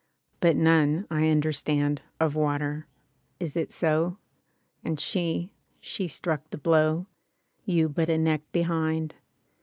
But none, I understand. Of water. Is it so? And she — she struck the blow. You but a neck behind.